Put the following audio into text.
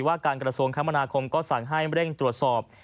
ว่าการกระทรวงคมนาคมก็สั่งให้เร่งตรวจสอบ